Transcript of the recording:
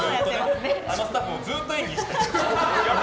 あのスタッフもずっと演技してる。